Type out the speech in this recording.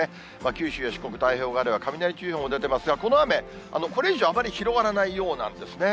九州や四国、太平洋側では雷注意報も出てますが、この雨、これ以上、あまり広がらないようなんですね。